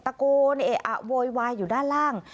ตะโกนเอะอะโวยวายอยู่ด้านล่าง